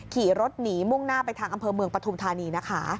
ขี่รถหนีมุ่งหน้าไปทางอำเภอเมืองปฐุมธานีนะคะ